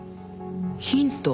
ヒント？